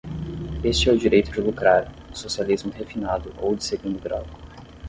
Este é o direito de lucrar, o socialismo refinado ou de segundo grau.